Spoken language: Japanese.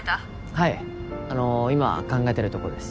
はいあの今考えてるとこです